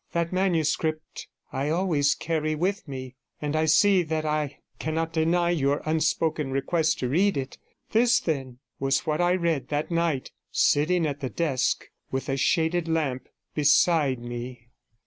That manuscript I always carry with me, and I see that I cannot deny your unspoken request to read it. This, then, was what I read that night, sitting at the desk, with a shaded lamp beside me.